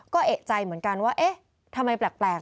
ก็เอกใจเหมือนกันว่าเอ๊ะทำไมแปลก